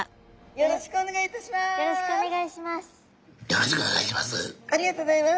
よろしくお願いします。